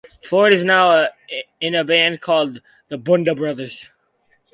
Floyd is now in a band called the Buddha Brothers.